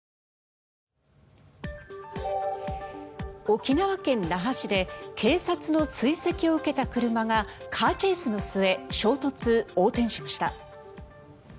沖縄県那覇市で警察の追跡を受けた車がカーチェイスの末衝突・横転しました。